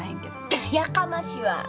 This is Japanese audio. やかましわ！